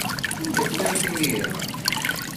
Anda tellamt imir-a?